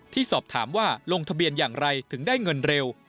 ที่สอบถามว่าลงทะเบียนอย่างไรถึงได้เงินเร็ว